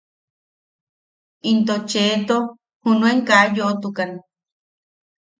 Into Cheto junuen ka yoʼotukan.